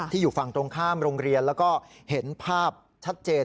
อยู่ฝั่งตรงข้ามโรงเรียนแล้วก็เห็นภาพชัดเจน